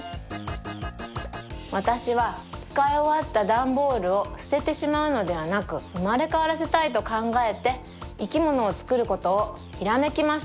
わたしはつかいおわったダンボールをすててしまうのではなくうまれかわらせたいとかんがえていきものをつくることをひらめきました。